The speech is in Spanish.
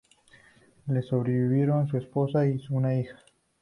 Le sobrevivieron su esposa y una hija.